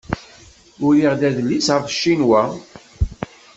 Uriɣ adlis ɣef Cinwa.